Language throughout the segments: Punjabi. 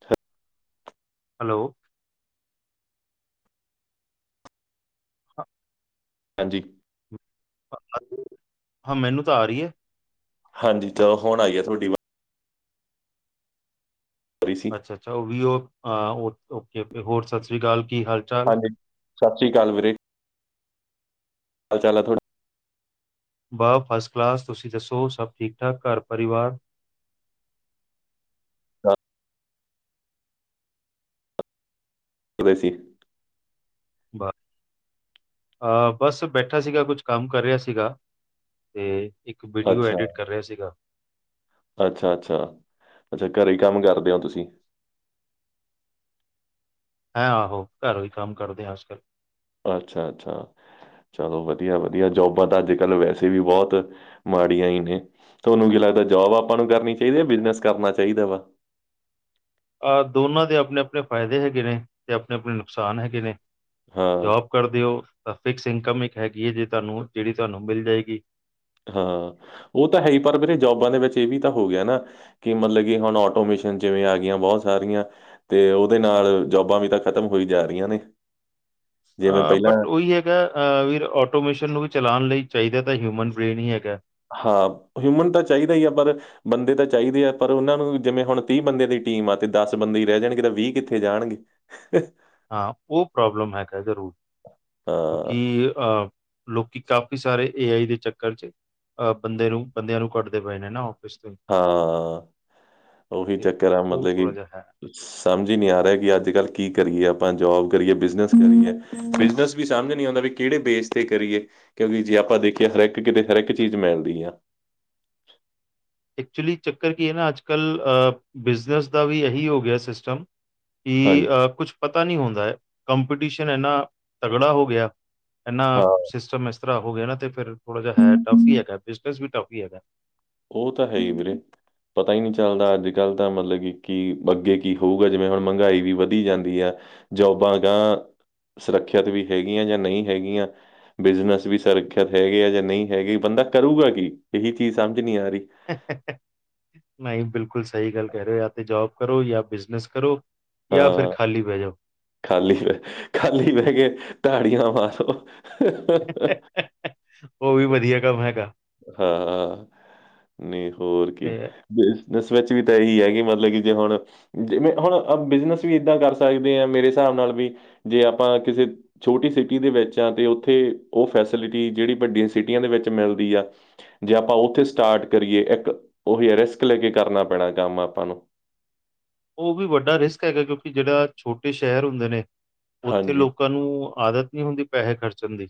ਠ ਹੈਲੋ ਹਾਂ ਹਾਂਜੀ, ਹਾਂ ਮੈਨੂੰ ਤਾਂ ਆ ਰਹੀ ਹੈ। ਹਾਂਜੀ ਤਾਂ ਹੁਣ ਆਈਏ ਤੁਹਾਡੀ ਵ- ਘਰ ਈ ਸੀ। ਅੱਛਾ- ਅੱਛਾ ਉਹ ਵੀ ਓ ਹਾ ਹੋਰ ਓਕੇ- ਓਕੇ ਔਰ ਸਤਿ ਸ੍ਰੀ ਅਕਾਲ ਕੀ ਹਾਲ। ਚਾਲ ਹਾਂਜੀ ਸਤਿ ਸ਼੍ਰੀ ਅਕਾਲ ਵੀਰੇ। ਚਲ ਆ ਥੋੜਾ, ਵਾ ਫਸਟ ਕਲਾਸ ਤੁਸੀਂ ਦੱਸੋ ਸਭ ਠੀਕ- ਠਾਕ ਘਰ- ਪਰਿਵਾਰ? ਕਿਵੇਂ ਸੀ? ਬਾ- ਅ ਬਸ ਬੈਠਾ ਸੀਗਾ ਕੁਛ ਕੰਮ ਕਰ ਰਿਹਾ ਸੀਗਾ, ਤੇ- ਇੱਕ ਵੀਡੀਓ ਅੱਛਾ ਐਡਿਟ ਕਰ ਰਿਹਾ ਸੀਗਾ। ਅੱਛਾ- ਅੱਛਾ ਅੱਛਾ ਘਰੇ ਕੰਮ ਕਰਦੇ ਹੋ ਤੁਸੀਂ? ਹੈਂ ਆਹੋ, ਘਰੋਂ ਹੀ ਕੰਮ ਕਰਦੇ ਹਾ ਅਜ ਕਲ। ਅੱਛਾ- ਅੱਛਾ। ਚਲੋ ਵਧੀਆ- ਵਧੀਆ ਜੋਬਾਂ ਤਾਂ ਅੱਜ ਕੱਲ ਵੈਸੇ ਵੀ ਬਹੁਤ ਮਾੜੀਆਂ ਹੀ ਨੇ। ਤੁਹਾਨੂੰ ਕੀ ਲੱਗਦਾ ਜੋਬ ਆਪਾਂ ਨੂੰ ਕਰਨੀ ਚਾਹੀਦੀ ਹੈ, ਯ ਬਿਜਨਸ ਕਰਨਾ ਚਾਹੀਦਾ ਵਾ। ਦੋਨਾਂ ਦੇ ਆਪਣੇ- ਆਪਣੇ ਫਾਇਦੇ ਹੈਗੇ ਨੇ, ਤੇ ਆਪਣੇ- ਆਪਣੇ ਨੁਕਸਾਨ ਹੈਗੇ ਨੇ, ਹਾਂ ਜੋਬ। ਕਰਦੇ ਓ, ਤਾਂ ਫਿਕਸ ਇਨਕਮ ਇੱਕ ਹੈਗੀ ਹੈ ਜੇ ਤੁਹਾਨੂੰ, ਜਿਹੜੀ ਤੁਹਾਨੂੰ ਮਿਲ ਜਾਏਗੀ। ਹਾਂ, ਉਹ ਤਾਂ ਹੈਹੀ ਪਰ ਵੀਰੇ ਜੋਬਾਂ ਦੇ ਵਿੱਚ ਇਹ ਵੀ ਤਾਂ ਹੋਗਿਆ ਨਾ ਕਿ ਮਤਲਬ ਕਿ, ਹੁਣ ਆਟੋਮਿਸ਼ਨ ਜਿਵੇਂ ਆ ਗਈਆਂ ਬਹੁਤ ਸਾਰੀਆਂ ਤੇ ਉਹਦੇ ਨਾਲ, ਜੋਬਾਂ ਵੀ ਤਾਂ ਖ਼ਤਮ ਹੋਈ ਜਾ ਰਹੀਆਂ ਨੇ। ਜਿਵੇਂ ਆ, ਪਹਿਲਾਂ ਬਟ ਓਈ ਏ ਅ ਵੀਰ, ਆਟੋਮੇਸ਼ਨ ਨੂੰ ਵੀ ਚਲਾਣ ਲਈ ਚਾਹੀਦਾ ਤਾਂ ਹਿਊਮਨ ਬ੍ਰੇਨ ਹੀ ਹੈਗਾ। ਹਾਂ, ਹਿਊਮਨ ਤਾਂ ਚਾਹੀਦਾ ਹੀ ਆ ਪਰ ਬੰਦੇ ਤਾਂ ਚਾਹੀਦੇ ਆ ਪਰ, ਉਹਨਾਂ ਨੂੰ ਜਿਵੇਂ ਹੁਣ ਤੀਹ ਬੰਦੇ ਦੀ ਟੀਮ ਆ, ਤੇ ਦਸ ਬੰਦੇ ਈ ਰਹਿ ਜਾਣਗੇ ਤਾਂ ਵੀਹ ਕਿੱਥੇ ਜਾਣਗੇ। ਹ ਹਾਂ, ਉਹ ਪ੍ਰੋਬਲਮ ਹੈਗਾ ਜ਼ਰੂਰ, ਹਾਂ ਕਿਉਂਕਿ ਅ ਲੋਕੀ ਕਾਫੀ ਸਾਰੇ ਏ ਆਈ ਦੇ ਚੱਕਰ'ਚ, ਅ ਬੰਦੇ ਨੂੰ, ਬੰਦਿਆਂ ਨੂੰ ਕੱਟਦੇ ਪਏ ਨੇ ਨਾ ਉਹ। ਹਾਂ, ਉਹੀ ਤੇ ਚੱਕਰ ਆ ਉਹ ਮਤਲਬ ਕਿ ਥੋੜ੍ਹਾ ਜਿਹਾ ਹੈ। ਸਮਝ ਹੀ ਨਹੀਂ ਆ ਰਿਹਾ ਕਿ ਅੱਜ-ਕੱਲ ਕੀ ਕਰੀਏ ਆਪਾਂ, ਜੋਬ ਕਰੀਏ, ਬਿਜਨਸ ਕਰੀਏ। ਬਿਜਨਸ ਵੀ ਸਮਝ ਨਹੀਂ ਆਉਂਦਾ ਵੀ, ਕਿਹੜੇ ਬੇਸ ਤੇ ਕਰੀਏ। ਕਿਉਂਕਿ ਜੇ ਆਪਾਂ ਦੇਖੀਏ, ਹਰ ਇੱਕ ਕਿਤੇ ਹਰ ਇੱਕ ਚੀਜ਼ ਮਿਲਦੀ ਆ। ਐਕਚੁਲੀ ਚੱਕਰ ਕੀ ਐ ਨਾ, ਅੱਜ-ਕੱਲ ਬਿਜਨਸ ਦਾ ਵੀ ਏਹੀ ਹੋਗਿਆ ਸਿਸਟਮ। ਹਾਂਜੀ ਕਿ ਕੁਛ ਪਤਾ ਨਹੀਂ ਹੁੰਦਾ ਏ, ਕੰਪੀਟੀਸ਼ਨ ਇੰਨਾ ਤਗੜਾ ਹੋਗਿਆ। ਇੰਨਾ ਹਾਂ ਸਿਸਟਮ ਇਸ ਤਰ੍ਹਾਂ ਹੋਗਿਆ ਨਾ ਤੇ ਫਿਰ, ਥੋੜਾ ਜਿਹਾ ਹੈ ਟਫ ਹੀ ਹੈਗਾ, ਬਿਜਨਸ ਵੀ ਟਫ ਹੀ ਹੈਗਾ। ਉਹ ਤਾ ਹੈਹੀ ਵੀਰੇ, ਪਤਾ ਹੀ ਨਹੀਂ ਚੱਲਦਾ ਅੱਜ-ਕੱਲ ਤਾਂ ਮਤਲਬ ਕਿ ਕਿ ਅੱਗੇ ਕੀ ਹੋਊਗਾ, ਜਿਵੇਂ ਹੁਣ ਮਹਿੰਗਾਈ ਵੀ ਵਧੀ ਜਾਂਦੀ ਆ ਜੋਬਾਂ ਗ੍ਹਾਂ ਸੁਰੱਖਿਅਤ ਵੀ ਹੈਗੀਆਂ, ਜਾਂ ਨਹੀਂ ਹੈਗੀਆਂ। ਬਿਜਨਸ ਵੀ ਸੁਰੱਖਿਅਤ ਹੈਗੇ ਆ, ਜਾਂ ਨਹੀਂ ਹੈਗੇ, ਬੰਦਾ ਕਰੂਗਾ ਕੀ? ਇਹੀ ਚੀਜ਼ ਸਮਝ ਨਹੀਂ ਆ ਰਹੀ। ਨਹੀਂ, ਬਿਲਕੁਲ ਸਹੀ ਗੱਲ ਕਹਿ ਰਹੇ ਹੋ, ਯਾ ਤੇ ਜੌਬ ਕਰੋ ਯਾ ਬਿਜਨਸ ਕਰੋ। ਯਾ ਫਿਰ ਹਾਂ ਖਾਲੀ ਬਹਿ ਜਾਓ। ਖਾਲੀ ਬਹਿ, ਖਾਲੀ ਬਹਿਕੇ ਤਾੜੀਆਂ ਮਾਰੋ। ਓਹ ਵੀ ਵਧੀਆ ਕੰਮ ਹੈਗਾ। ਹਾਂ, ਨਹੀਂ, ਹੋਰ ਕੀ। ਤੇ ਬਿਜਨਸ ਵਿੱਚ ਵੀ ਤਾਂ ਇਹੀ ਹੈ, ਕਿ ਮਤਲਬ ਕਿ ਜੇ ਹੁਣ ਜਿਵੇਂ ਹੁਣ, ਬਿਜਨਸ ਵੀ ਏਦਾਂ ਕਰ ਸਕਦੇ ਆਂ, ਮੇਰੇ ਹਿਸਾਬ ਨਾਲ ਵੀ ਜੇ ਆਪਾਂ ਕਿਸੇ ਛੋਟੀ ਸਿਟੀ ਦੇ ਵਿੱਚ ਆ, ਤੇ ਉੱਥੇ ਉਹ ਫੈਸਿਲਿਟੀ ਜਿਹੜੀ ਵੱਡੀਆਂ ਸਿਟੀਆਂ ਦੇ ਵਿੱਚ ਮਿਲਦੀ ਆ। ਜੇ ਆਪਾ ਉੱਥੇ ਸਟਾਰਟ ਕਰੀਏ ਇੱਕ, ਉਹੀ ਹੈ ਰਿਸਕ ਲੈਕੇ ਕਰਨਾ ਪੈਣਾ ਕੰਮ ਆਪਾਂ ਨੂੰ। ਓਹ ਵੀ ਵੱਡਾ ਰਿਸਕ ਹੈਗਾ, ਕਿਉਂਕਿ ਜਿਹੜਾ ਛੋਟੇ ਸ਼ਹਿਰ ਹੁੰਦੇ ਨੇ, ਉੱਥੇ ਹਾਂਜੀ ਲੋਕ ਲੋਕਾਂ ਨੂੰ ਆਦਤ ਨਹੀਂ ਹੁੰਦੀ ਪੈਹੇ ਖਰਚਣ ਦੀ,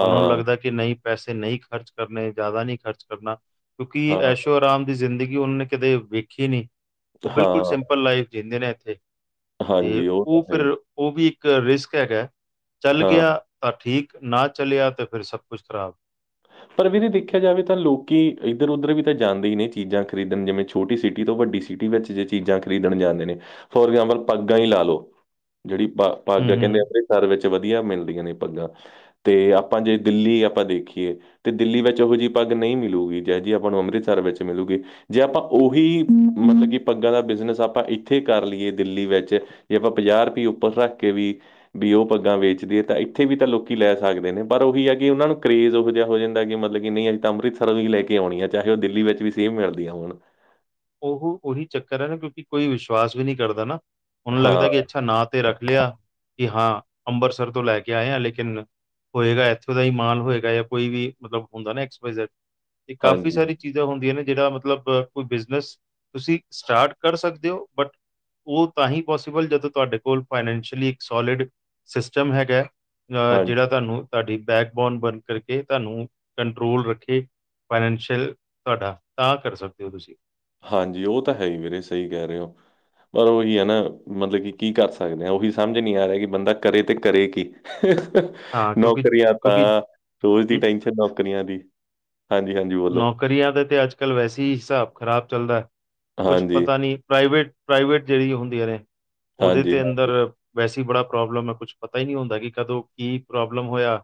ਉਹਨਾਂ ਨੂੰ ਲੱਗਦਾ ਕਿ ਨਹੀਂ, ਪੈਸੇ ਨਹੀਂ ਖਰਚ ਕਰਨੇ ਜ਼ਿਆਦਾ ਨਹੀਂ ਖਰਚ ਕਰਨਾ, ਕਿਉਂਕਿ ਹਾਂ ਐਸ਼ੋਅਰਾਮ ਦੀ ਜ਼ਿੰਦਗੀ ਉਹਨੇ ਕਦੇ ਵੇਖੀ ਨਹੀਂ। ਉਹ ਹਾਂ। ਬਿਲਕੁਲ ਸਿੰਪਲ ਲਾਈਫ ਜੀਂਦੇ ਨੇ ਇੱਥੇ, ਤੇ ਹਾਂਜੀ ਤਾਂ ਉਹ ਹੈ ਹੀ। ਫਿਰ ਉਹ ਵੀ ਇੱਕ ਰਿਸਕ ਹੈਗਾ, ਚੱਲ ਹਾਂ ਗਿਆ ਤਾ ਠੀਕ, ਨਾ ਚਲਿਆ ਤੇ ਫੇਰ ਸਭ ਕੁਛ ਖਰਾਬ। ਪਰ ਵੀਰੇ ਦੇਖਿਆ ਜਾਵੇ ਤਾਂ ਲੋਕੀ ਇੱਧਰ-ਉੱਧਰ ਵੀ ਤਾਂ ਜਾਂਦੇ ਹੀ ਨੇ, ਚੀਜ਼ਾਂ ਖਰੀਦਣ ਜਿਵੇਂ ਛੋਟੀ ਸਿਟੀ ਤੋਂ ਵੱਡੀ ਸਿਟੀ ਵਿੱਚ ਜੇ ਚੀਜ਼ਾਂ ਖਰੀਦਣ ਜਾਂਦੇ ਨੇ, ਫੋਰ ਐਗਜਾਮਪਲ ਪੱਗਾਂ ਹੀ ਲਾਲੋ। ਜਿਹੜੀ ਪਾ, ਪੱਗ ਹੂੰ, ਆ ਕਹਿੰਦੇ ਹੂੰ। ਅੰਮ੍ਰਿਤਸਰ ਵਿੱਚ ਵ ਵਧੀਆ ਮਿਲਦੀਆਂ ਨੇ ਪੱਗਾਂ, ਤੇ ਆਪਾਂ ਜੇ ਦਿੱਲੀ ਆਪਾਂ ਦੇਖੀਏ ਤੇ ਦਿੱਲੀ ਵਿੱਚ ਇਹੋ ਜਿਹੀ ਪੱਗ ਨਹੀਂ ਮਿਲੂਗੀ, ਜਿਹੀ ਜੀ ਆਪਾਂ ਨੂੰ ਅੰਮ੍ਰਿਤਸਰ ਵਿੱਚ ਮਿਲੁਗੀ। ਜੇ ਆਪਾਂ ਉਹੀ, ਮਤਲਬ ਕਿ ਪੱਗਾਂ ਦਾ ਬਿਜਨਸ ਆਪਾਂ ਇੱਥੇ ਕਰ ਲਈਏ ਦਿੱਲੀ ਵਿੱਚ ਜੇ ਆਪਾਂ ਪੰਜਾਹ ਰੁਪਈਏ ਉੱਪਰ ਰੱਖ ਕੇ ਵੀ ਬਈ ਉਹ ਪੱਗਾਂ ਵੇਚਦੇ ਹੈ ਤਾਂ ਇੱਥੇ ਵੀ ਤਾਂ ਲੋਕੀ ਲੈ ਸਕਦੇ ਨੇ ਪਰ ਉਹੀ ਹੈ ਕਿ ਉਹਨਾਂ ਨੂੰ ਕਰੇਜ਼ ਉਹੋ ਜਿਹਾ ਹੋ ਜਾਂਦਾ ਹੂੰਦਾ ਕਿ ਮਤਲਬ ਕਿ ਨਹੀਂ ਅਸੀ ਤਾਂ ਅੰਮ੍ਰਿਤਸਰੋ ਈ ਲੈ ਕੇ ਆਉਣੀ ਆ ਚਾਹੇ ਉਹ ਦਿੱਲੀ ਵਿੱਚ ਵੀ ਸੇਮ ਮਿਲਦੀਆਂ ਹੋਣ। ਓਹੋ ਉਹੀ ਚੱਕਰ ਹੈ ਨਾ ਕਿਉਂਕਿ ਕੋਈ ਵਿਸ਼ਵਾਸ ਵੀ ਨਹੀਂ ਕਰਦਾ ਨਾ ਓਨੂੰ ਹਾਂ ਲੱਗਦਾ ਕਿ ਅੱਛਾ ਨਾਂ ਤੇ ਰੱਖ ਲਯਾ ਕਿ ਹਾਂ ਅੰਮਬਰਿਸਰ ਤੋਂ ਲੈ ਕੇ ਆਏ ਆ ਲੇਕਿਨ ਹੋਏਗਾ ਇੱਥੋਂ ਦਾ ਈ ਮਾਲ ਹੋਏਗਾ ਯਾ ਕੋਈ ਵੀ ਮਤਲਬ ਹੁੰਦਾ ਨਾ [unintelligible] ਤੇ ਕਾਫੀ ਹਾਂਜੀ ਸਾਰੀ ਚੀਜ਼ਾਂ ਹੁੰਦੀਆਂ ਨੇ ਜੇੜਾ ਮਤਲਬ ਕੋਈ ਬਿਜ ਬਿਜ਼ਨਸ ਤੁਸੀਂ ਸਟਾਰਟ ਕਰ ਸਕਦੇ ਔ ਬਟ ਉਹ ਤਾਂ ਹੀ ਪੋਸੀਬਲ ਜਦੋਂ ਤੁਵਾਡੇ ਕੋਲ ਫਾਈਨੈਂਸ਼ੀਅਲੀ ਇੱਕ ਸੋਲਿਡ ਸ਼ਿਸ਼ਟਮ ਹੈਗਾ, ਅਹ ਹਾਂ ਜੇੜਾ ਤੁਵਾਨੂੰ ਤੁਵਾਡੀ ਬੈਕਬੋਨ ਬਣ ਕਰਕੇ ਤੁਵਾਨੂੰ ਕੰਟਰੋਲ ਰੱਖੇ ਫਾਈਨੈਂਸ਼ੀਅਲ ਤੁਵਾਡਾ ਤਾਂ ਕਰ ਸਕਦੇ ਔ ਤੁਸੀਂ। ਹਾਂਜੀ ਉਹ ਤਾਂ ਹੈ ਈ ਵੀਰੇ ਸਹੀ ਕਹਿ ਰਹੇ ਹੋ। ਪਰ ਉਹੀ ਹੈ ਨਾ ਮਤਲਬ ਕਿ ਕੀ ਕਰ ਸਕਦੇ ਆਂ ਉਹੀ ਸਮਝ ਨਹੀਂ ਆ ਰਿਹਾ ਕਿ ਬੰਦਾ ਕਰੇ ਤੇ ਕਰੇ ਕੀ? [unintelligible] ਹਾਂ ਕਿਉਂਕਿ ਨੌਕਰੀਆਂ ਕਿਉਂਕਿ ਤਾਂ ਰੋਜ਼ ਦੀ ਨ ਟੈੈਂਨਸ਼ਨ ਨੌਕਰੀਆਂ ਦੀ। ਹਾਂਜੀ-ਹਾਂਜੀ ਬੋਲੋ। ਨੋਕਰੀਆਂ ਦਾ ਤੇ ਅੱਜ ਕੱਲ ਵੈਸੇ ਈ ਹਿਸਾਬ ਖ਼ਰਾਬ ਚੱਲਦਾ ਕੁਛ ਹਾਂਜੀ ਪਤਾ ਨਹੀਂ ਪ੍ਰਾਈਵੇਟ ਪ੍ਰਾਈਵੇਟ ਜੇੜੀ ਹੁੰਦੀਆਂ ਨੇ ਉਹਦੇ ਹਾਂਜੀ ਤੇ ਅੰਦਰ ਹਾਂਜੀ ਵੈਸੇ ਈ ਬੜਾ ਪ੍ਰੋਬਲਮ ਏ ਕੁਛ ਪਤਾ ਈ ਨੀ ਹੁੰਦਾ ਕਿ ਕਦੋਂ ਕੀ ਪ੍ਰੋਬਲਮ ਹੋਯਾ।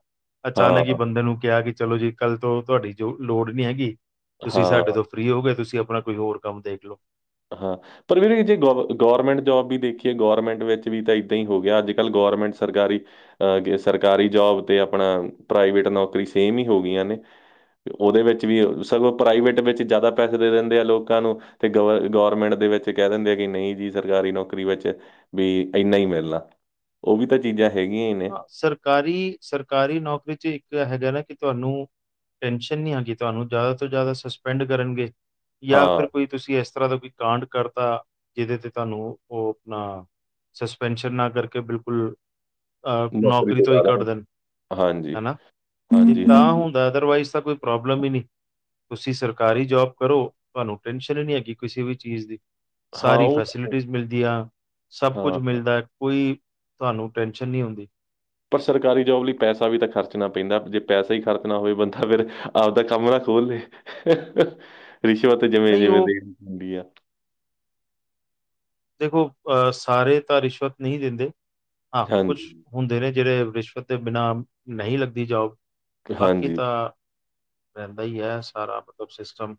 ਅਚਾਨਕ ਈ ਹਾਂ ਬੰਦੇ ਨੂੰ ਕਿਹਾ ਕਿ ਚਲੋ ਜੀ ਕੱਲ ਤੋਂ ਤੁਵਾਡੀ ਲੋੜ ਨੀ ਹੈਗੀ ਤੁਸੀਂ ਹਾਂ ਸਾਡੇ ਤੋਂ ਫ੍ਰੀ ਹੋ ਕੇ ਤੁਸੀਂ ਆਪਣਾ ਕੋਈ ਹੋਰ ਕੰਮ ਦੇਖ ਲੋ- ਹਾਂ [unintelligible] ਪਰ ਵੀਰੇ ਜੇ ਗੋਰ ਗੌਰਮੈਂਟ ਜੋਬ ਵੀ ਦੇਖੀਏ ਗੌਰਮੈਂਟ ਵਿੱਚ ਵੀ ਤਾਂ ਇੱਦਾਂ ਈ ਹੋ ਗਿਆ ਅੱਜ ਕੱਲ੍ਹ ਗੌਰਮੈਂਟ ਸਰਕਾਰੀ ਅ ਸਰਕਾਰੀ ਜੋਬ ਤੇ ਆਪਣਾ ਪ੍ਰਾਈਵੇਟ ਨੌਕਰੀ ਸੇਮ ਈ ਹੋ ਗਿਆਂ ਨੇ। ਉਹਦੇ ਵਿੱਚ ਵੀ ਸਗੋਂ ਪ੍ਰਾਈਵੇਟ ਵਿੱਚ ਜ਼ਿਆਦਾ ਪੈਸੇ ਦੇ ਦਿੰਦੇ ਆ ਲੋਕਾਂ ਨੂੰ ਤੇ ਗਵਰ ਗੌਰਮੈਂਟ ਦੇ ਵਿੱਚ ਕਹਿ ਦਿੰਦੇ ਆ ਕਿ ਨਹੀਂ ਜੀ ਸਰਕਾਰੀ ਨੌਕਰੀ ਵਿੱਚ ਬਈ ਇੰਨਾ ਈ ਮਿਲਣਾ। ਉਹ ਵੀ ਤਾਂ ਚੀਜ਼ਾਂ ਹੈਗੀਆਂ ਈ ਹਾਂ ਸਰਕਾਰੀ, ਸਰਕਾਰੀ ਨੌਕਰੀ ਚ ਇੱਕ ਹੈਗਾ ਨਾ ਕਿ ਤੁਵਾਨੂ ਟੈਂਸ਼ਨ ਨੀ ਹੈਗੀ ਤੁਵਾਂਨੂੰ ਜ਼ਿਆਦਾ ਤੋਂ ਜ਼ਿਆਦਾ ਸਸਪੈਂਡ ਕਰਨਗੇ ਯਾ ਹਾਂ ਫਿਰ ਕੋਈ ਤੁਸੀਂ ਇਸ ਤਰ੍ਹਾਂ ਦਾ ਕੋਈ ਕਾਂਡ ਕਰਤਾ ਜਿਹਦੇ ਤੇ ਤੁਵਾਨੂੰ ਉਹ ਆਪਣਾ ਸਸਪੈਂਸ਼ਨ ਨਾ ਕਰਕੇ ਬਿਲਕੁਲ ਅ ਨੌਕਰੀ ਤੋਂ ਈ ਕਾਡ ਦੇਣ ਹਾਂਜੀ ਹੈਨਾ ਏ ਹਾਂਜੀ ਤਾਂ ਹਾਂਜੀ ਹੁੰਦਾ ਅਦਰਵਾਈਜ਼ ਤਾਂ ਕੋਈ ਪ੍ਰੋਬਲਮ ਈ ਨੀ। ਤੁਸੀਂ ਸਰਕਾਰੀ ਜੋਬ ਕਰੋ ਤੁਵਾਨੂੰ ਟੈਨਸ਼ਨ ਈ ਨੀ ਹੈਗੀ ਕਿਸੇ ਵੀ ਚੀਜ਼ ਦੀ। ਹਾਂ ਸਾਰੀ ਉਹ ਫੈਸਿਲਿਟੀਜ਼ ਮਿਲਦੀਆਂ ਸਭ ਕੁਛ ਹਾਂ ਮਿਲਦਾ ਕੋਈ ਤੁਵਾਨੂੰ ਟੇਂ [unintelligible] ਪਰ ਸਰਕਾਰੀ ਜੋਬ ਲਈ ਪੈਸਾ ਵੀ ਤਾਂ ਖਰਚਣਾ ਪੈਂਦਾ ਜੇ ਪੈਸਾ ਈ ਖਰਚਣਾ ਹੋਏ ਬੰਦਾ ਫੇਰ ਆਪਦਾ ਕਮ ਨਾ ਖੋਲ੍ਹ ਲੇ। [unintelligible] ਰਿਸ਼ਵਤ ਜਿਵੇਂ, ਨਹੀਂ ਜਿਵੇਂ ਉਹ ਦੇਈ ਦੀ ਹੂੰਦੀ ਆ। ਦੇਖੋ ਅ ਸਾਰੇ ਤਾਂ ਰਿਸ਼ਵਤ ਨਹੀਂ ਦਿੰਦੇ ਹਾਂ ਕੁਛ ਹਾਂਜੀ ਹੁੰਦੇ ਨੇ ਜੇੜੇ ਰਿਸ਼ਵਤ ਦੇ ਬਿਨਾਂ ਨਹੀਂ ਲੱਗਦੀ ਜੌਬ ਬਾਕੀ ਹਾਂਜੀ ਤਾਂ ਰਹਿੰਦਾ ਈ ਹੈ ਸਾਰਾ ਕੁਛ ਸ਼ਿਸ਼ਟਮ।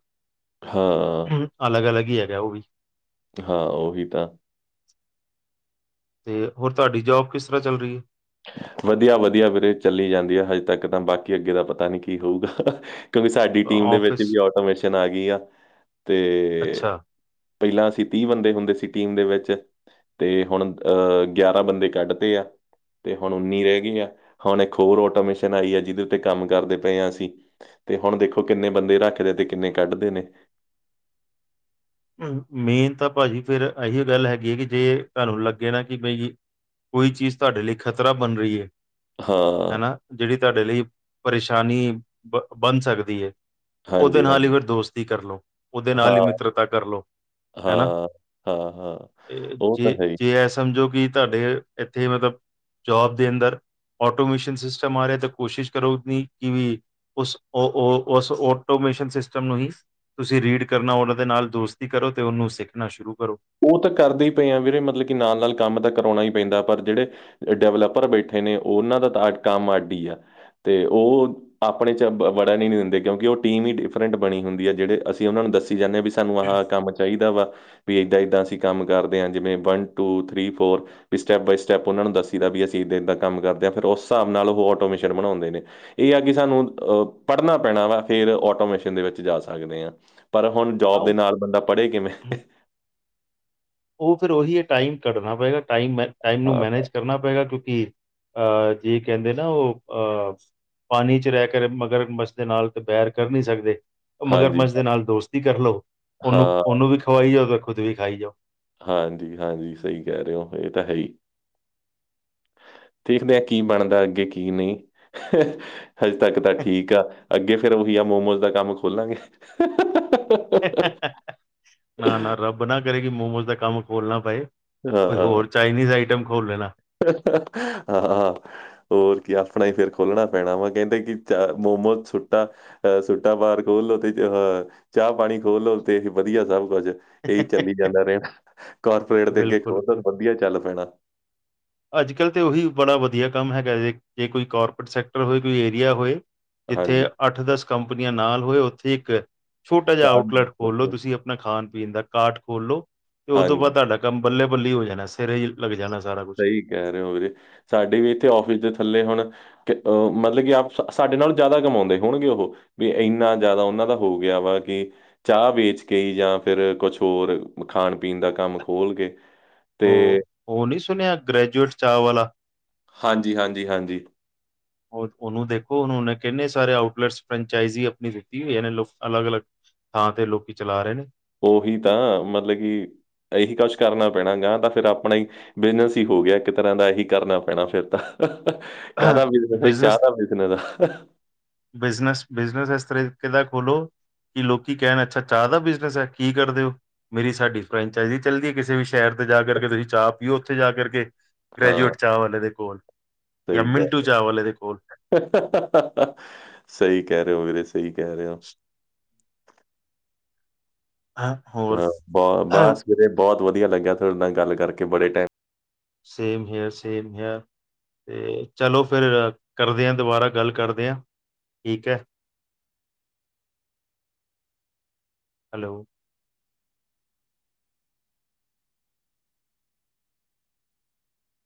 ਹਾਂ। ਹ ਅਲੱਗ-ਅਲੱਗ ਈ ਹੈਗਾ ਉਹ ਵੀ। ਹਾਂ ਉਹੀ ਤਾਂ। ਤੇ ਹੋਰ ਤੁਵਾਡੀ ਜੋਬ ਕਿਸ ਤਰ੍ਹਾਂ ਚੱਲ ਰਹੀ ਏ? ਵਧੀਆ ਵਧੀਆ ਵੀਰੇ ਚੱਲ ਜਾਂਦੀ ਹੈ ਹਜੇ ਤੱਕ ਤਾਂ ਬਾਕੀ ਅੱਗੇ ਦਾ ਪਤਾ ਨੀ ਕੀ ਹੋਊਗਾ? ਕਿਉਂਕਿ ਸਾਡੀ ਟੀਮ ਦੇ ਵਿੱਚ ਆਫਿਸ ਵੀ ਆਟੋਮੇਸ਼ਨ ਆ ਗਈ ਆ ਤੇ ਅੱਛਾ, ਪਹਿਲਾਂ ਅਸੀਂ ਤੀਹ ਬੰਦੇ ਹੁੰਦੇ ਸੀ ਟੀਮ ਦੇ ਵਿੱਚ ਤੇ ਹੁਣ ਅਹ ਗਿਆਰਾਂ ਬੰਦੇ ਕੱਢਤੇ ਆ ਤੇ ਹੁਣ ਉੱਨੀ ਰਹਿ ਗਈ ਆ ਹੁਣ ਇੱਕ ਹੋਰ ਆਟੋਮਿਸ਼ਨ ਆਈ ਆ ਜਿਹਦੇ ਉੱਤੇ ਕੰਮ ਕਰਦੇ ਪਏ ਹਾਂ ਅਸੀਂ ਤੇ ਹੁਣ ਦੇਖੋ ਕਿੰਨੇ ਬੰਦੇ ਰੱਖਦੇ ਤੇ ਕਿੰਨੇ ਕੱਢਦੇ ਨੇ ਮੇਨ ਤਾਂ ਭਾਜੀ ਫੇਰ ਇਹੀ ਗੱਲ ਹੈਗੀ ਹੈ ਕਿ ਜੇ ਤੁਹਾਨੂੰ ਲੱਗੇ ਨਾ ਕਿ ਬਈ ਕੋਈ ਚੀਜ਼ ਤੁਹਾਡੇ ਲਈ ਖ਼ਤਰਾ ਬਣ ਰਹੀ ਹੈ ਹਾਂ ਹਨਾ, ਜਿਹੜੀ ਤੁਹਾਡੇ ਲਈ ਪਰੇਸ਼ਾਨੀ ਬ ਬਣ ਸਕਦੀ ਹੈ। ਉਹਦੇ ਹਾਂਜੀ ਹਾਂ ਨਾਲ ਹੀ ਫਿਰ ਦੋਸਤੀ ਕਰਲਓ, ਉਹਦੇ ਹਾਂ ਨਾਲ ਹੀ ਮਿੱਤਰ ਤਾ ਕਰ ਲਓ ਹਨਾ, ਹਾਂ ਹਾਂ ਹਾਂ ਉਹ ਤਾਂ ਜੇ ਹੈ ਹੀ ਜੇ ਇਹ ਸਮਝੋ ਕਿ ਤੁਹਾਡੇ ਇੱਥੇ ਮਤਲਬ ਜੋਬ ਦੇ ਅੰਦਰ ਓਟੋਮੇਸ਼ਨ ਸਿਸਟਮ ਆ ਰਿਹਾ ਤਾਂ ਕੋਸ਼ਿਸ਼ ਕਰੋ ਨ ਕਿ ਵੀ ਉਸ ਉਸ ਓਟੋਮੇਸ਼ਨ ਸਿਸਟਮ ਨੂੰ ਹੀ ਤੁਸੀਂ ਰੀਡ ਕਰਨਾ ਉਹਨਾਂ ਦੇ ਨਾਲ ਦੋਸਤੀ ਕਰੋ ਤੇ ਉਹਨੂੰ ਸਿੱਖਣਾ ਸ਼ੁਰੂ ਕਰੋ ਉਹ ਤਾਂ ਕਰਦੇ ਹੀ ਪਏ ਆ ਵੀਰੇ ਮਤਲਬ ਕਿ ਨਾਲ-ਨਾਲ ਕੰਮ ਤਾਂ ਕਰਾਉਣਾ ਹੀ ਪੈਂਦਾ ਪਰ ਜਿਹੜੇ ਡਿਵਲਪਰ ਬੈਠੇ ਨੇ ਉਹਨਾਂ ਦਾ ਤਾਂ ਕੰਮ ਅਡੀ ਹੀ ਆ ਤੇ ਉਹ ਆਪਣੇ ਚ ਵੜਾ ਨੀ ਦਿੰਦੇ ਕਿਉਂਕਿ ਉਹ ਟੀਮ ਹੀ ਡਿਫਰੈਂਟ ਬਣੀ ਹੁੰਦੀ ਹੈ। ਜਿਹੜੇ ਅਸੀਂ ਉਹਨਾ ਨੂੰ ਦੱਸੀ ਜਾਂਦੇ ਹਾਂ ਵੀ ਸਾਨੂੰ ਆਹ ਕੰਮ ਚਾਹੀਦਾ ਵਾ। ਵੀ ਏਦਾਂ-ਏਦਾਂ ਅਸੀਂ ਕੰਮ ਕਰਦੇ ਹਾਂ ਜਿਵੇਂ ਵੰਨ, ਟੂ, ਥ੍ਰਰੀ, ਫੋਰ ਵੀ ਸਟੈਪ ਬਾਏ ਸਟੈਪ ਉਹਨਾਂ ਨੂੰ ਦੱਸੀ ਦਾ ਵੀ ਅਸੀਂ ਇੱਦਾਂ ਇੱਦਾਂ ਕੰਮ ਕਰਦੇ ਹਾਂ, ਫਿਰ ਉਸ ਹਿਸਾਬ ਨਾਲ ਉਹ ਆਟੋਮੇਸ਼ਨ ਬਣਾਉਂਦੇ ਨੇ। ਇਹ ਆ ਕਿ ਸਾਨੂੰ ਅ ਪੜ੍ਹਨਾ ਪੈਣਾ ਵਾ ਫੇਰ ਆਟੋਮੇਸ਼ਨ ਦੇ ਵਿੱਚ ਜਾ ਸਕਦੇ ਹਾਂ। ਪਰ ਹੁਣ ਤਾਂ ਜੋਬ ਦੇ ਉਹ ਨਾਲ ਬੰਦਾ ਪੜ੍ਹੇ ਕਿਵੇਂ? ਉਹ ਫਿਰ ਉਹੀ ਇਹ ਟਾਈਮ ਕੱਢਨਾ ਪਏਗਾ ਟਾਈਮ-ਟਾਈਮ ਨੂੰ ਹਾਂ, ਮੈਨੇਜ ਕਰਨਾ ਪਏਗਾ ਕਿਉਂਕਿ ਅਹ ਜੇ ਕਹਿੰਦੇ ਨਾ ਉਹ ਅਹ ਪਾਣੀ ਚ ਰਹਿ ਕੇ ਮਗਰ ਮੱਛ ਦੇ ਨਾਲ ਦ ਬੈਰ ਕਰ ਨਹੀਂ ਸਕਦੇ ਮਗਰ ਹਾਂਜੀ ਮਝ ਦੇ ਨਾਲ ਦੋਸਤੀ ਕਰ ਲਓ। ਹਾਂ ਉਹਨੂੰ-ਉਹਨੂੰ ਵੀ ਖਵਾਈ ਜਾਓ ਤੇ ਖੁਦ ਵੀ ਖਾਈ ਜਾਓ। ਹਾਂਜੀ-ਹਾਂਜੀ, ਸਹੀ ਕਹਿ ਰਹੇ ਹੋ ਇਹ ਤਾਂ ਹੈ ਹੀ। ਦੇਖਦੇ ਹਾਂ ਕੀ ਬਣਦਾ ਅੱਗੇ ਕੀ ਨਹੀਂ ਹਜੇ ਤੱਕ ਤਾਂ ਠੀਕ ਆ, ਅੱਗੇ ਫਿਰ ਉਹੀ ਆ ਮੋਮੋਸ ਦਾ ਕੰਮ ਖੋਲਾਂਗੇ ਨਾ-ਨਾ ਰੱਬ ਨਾ ਕਰੇਗੀ ਮੋਮੋਸ ਦਾ ਕੰਮ ਖੋਲਣਾ ਪਏ ਹਾਂ ਕੋਈ ਹੋਰ ਚਾਈਨੀਜ਼ ਆਈਟਮ ਖੋਲ੍ਹ ਲੈਣਾ [inaudible] ਹੋਰ ਕੀ ਆਪਣਾ ਹੀ ਫੇਰ ਖੋਲਣਾ ਪੈਣਾ ਵਾ ਕਹਿੰਦੇ ਕਿ ਚ ਮੋਮੋ ਸੁਟਾ ਅਹ ਸੁੱਟਾ ਪਾਰ ਖੋਲ ਲੋ, ਤੇ ਅਹ ਚਾਹ ਪਾਣੀ ਖੋਲਲੋ ਤੇ ਵਧੀਆ ਸਭ ਕੁਛ ਇਹ ਚੱਲੀ ਜਾਂਦਾ ਰੇ, ਕਾਰਪੋਰੇਟ ਦੇ ਅੱਗੇ ਬਿਲਕੁਲ, ਖੋਲ ਲੋ ਬਿਲਕੁਲ ਵਧੀਆ ਚੱਲ ਪੈਣਾ ਅੱਜ-ਕੱਲ੍ਹ ਤਾਂ ਉਹੀ ਬੜਾ ਵਧੀਆ ਕੰਮ ਹੈਗਾ ਜੇ, ਜੇ ਕੋਈ ਕਾਰਪੋਰੇਟ ਸੈਕਟਰ ਹੋਏ, ਕੋਈ ਏਰੀਆ ਹੋਏ ਜਿੱਥੇ ਹਾਂਜੀ ਅੱਠ-ਦਸ ਕੰਪਨੀਆਂ ਨਾਲ ਹੋਏ ਉੱਥੇ ਇੱਕ ਛੋਟਾ ਜਿਹਾ ਚਾਹ ਵੀ ਆਊਟਲੈਟ ਖੋਲ ਖੋਲੋ ਲੋ ਤੁਸੀਂ ਆਪਣਾ ਖਾਣ-ਪੀਣ ਦਾ ਕਾਰਟ ਖੋਲ ਲੋ, ਤੇ ਉਹ ਤੋਂ ਹਾਂਜੀ ਬਾਅਦ ਤੁਹਾਡਾ ਕੰਮ ਬੱਲੇ-ਬੱਲੇ ਹੋ ਜਾਣਾ ਸਿਰੇ ਹੀ ਲੱਗ ਜਾਣਾ ਸਾਰਾ ਕੁਛ ਸਹੀ ਕਹਿ ਰਹੇ ਹੋ ਵੀਰੇ, ਸਾਡੇ ਵੀ ਇੱਥੇ ਆਫਿਸ ਦੇ ਥੱਲੇ ਹੁਣ ਕਿ ਅਹ ਮਤਲਬ ਕਿ ਆਪ ਸਾਡੇ ਨਾਲ ਜ਼ਿਆਦਾ ਕਮਾਉਂਦੇ ਹੋਣਗੇ ਉਹ ਵੀ ਇੰਨਾ ਜ਼ਿਆਦਾ ਉਹਨਾਂ ਦਾ ਹੋ ਗਿਆ ਵਾ ਕਿ ਚਾਹ ਵੇਚ ਕੇ ਜਾਂ ਫਿਰ ਕੁਛ ਹੋਰ ਖਾਣ-ਪੀਣ ਦਾ ਕੰਮ ਖੋਲ ਕੇ ਤੇ ਉਹ, ਉਹ ਨੀ ਸੁਣਿਆ ਗ੍ਰੈਜੂਏਟ ਚਾਹ ਵਾਲਾ ਹਾਂਜੀ- ਹਾਂਜੀ- ਹਾਂਜੀ। ਉਹਨੂੰ ਦੇਖੋ ਉਹਨੂੰ ਉਹੇ ਕਿਨੇ ਸਾਰੇ ਆਊਟਲੈਟਸ ਫਰੰਚਾਈਜ਼ ਆਪਣੀ ਦਿੱਤੀ ਈ ਇਹ ਨੇ ਅਲੱਗ ਅਲੱਗ ਥਾਂਹ ਤੇ ਲੋਕੀ ਚਲਾ ਰਹੇ ਨੇ ਉਹੀ ਤਾਂ ਮਤਲਬ ਕਿ ਇਹੀ ਕੁਛ ਕਰਨਾ ਪੈਣਾ ਗਾ ਤਾਂ ਫਿਰ ਆਪਣਾ ਹੀ ਬਿਜਨਸ ਹੀ ਹੋ ਗਿਆ ਇੱਕ ਤਰ੍ਹਾਂ ਦਾ ਇਹੀ ਕਰਨਾ ਪੈਣਾ ਫੇਰ ਤਾਂ। ਕਾਹਦਾ ਬਿਜਨਸ ਹੈ? ਬਈ ਚਾਹ ਦਾ ਬਿਜਨਸ ਐ ਬਿਜਨਸ-ਬਿਜਨਸ ਇਸ ਤਰੀਕੇ ਦਾ ਖੋਲੋ ਕਿ ਲੋਕੀ ਕਹਿਣ ਅੱਛਾ ਚਾਹ ਦਾ ਬਿਜਨਸ ਐ, ਕੀ ਕਰਦੇ ਓ ਮੇਰੀ ਸਾਡੀ ਫਰੈਂਚਾਈਜ਼ ਚੱਲਦੀ ਐ, ਕਿਸੇ ਵੀ ਸ਼ਹਿਰ ਤੇ ਜਾ ਕਰਕੇ, ਤੁਸੀਂ ਚਾਹ ਪੀਓ ਉੱਥੇ ਜਾ ਕਰਕੇ ਹਾਂ ਗ੍ਰੈਜੂਏਟ ਚਾਹ ਵਾਲੇ ਦੇ ਕੋਲ, ਜਾਂ ਸਹੀ ਕਹਿ ਮਿੰਟੂ ਚਾਹ ਵਾਲੇ ਦੇ ਕੋਲ ਰਹੇ ਸਹੀ ਕਹਿ ਰਹੇ ਹੋ, ਵੀਰੇ ਸਹੀ ਕਹਿ ਰਹੇ ਹੋ [inaudible] ਹਾਂ ਹ ਬਹੁ ਬਸ ਵੀਰੇ ਬਹੁਤ ਵਧੀਆ ਲੱਗਿਆ ਤੁਹਾਡੇ ਨਾਲ ਗੱਲ ਕਰਕੇ ਬੜੇ time same here, same here ਤੇ ਚਲੋ ਫੇਰ ਕਰਦੇ ਹਾਂ, ਦੁਬਾਰਾ ਗੱਲ ਕਰਦੇ ਹਾਂ, ਠੀਕ ਹੈ ਹੈਲੋ।